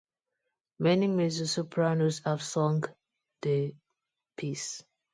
Many mezzo-sopranos have sung the piece.